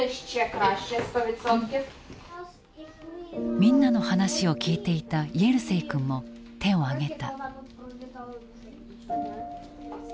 みんなの話を聞いていたイェルセイ君も手を挙げた。